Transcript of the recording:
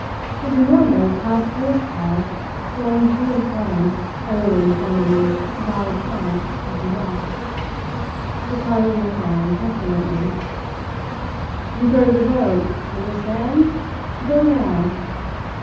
His enormous half closed paws swung to and fro a little in front of his bowed trunk as he walked. Ricardo looked on truculently. "You go to the boat understand? Go now!"